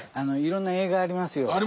いろんな映画ありますよ。